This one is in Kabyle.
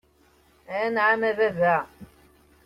Anɛam, a baba.